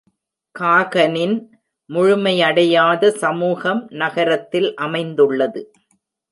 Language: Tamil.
காகனின் முழுமையடையாத சமூகம் நகரத்தில் அமைந்துள்ளது.